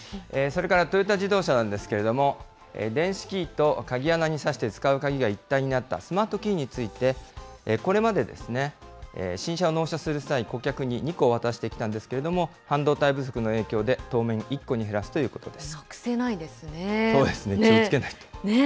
それから、トヨタ自動車なんですけれども、電子キーと鍵穴に差してつかうキーが一体になったスマートキーについて、これまで新車を納車する際、顧客に２個渡してきたんですけれども、半導体不足の影響で、当面、なくせないですね。